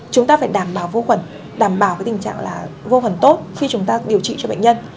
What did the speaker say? chúng ta phải đảm bảo vô khuẩn đảm bảo tình trạng là vô khuẩn tốt khi chúng ta điều trị cho bệnh nhân